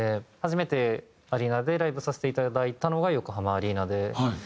初めてアリーナでライブさせていただいたのが横浜アリーナで。